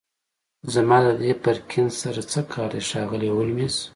زما د دې پرکینز سره څه کار دی ښاغلی هولمز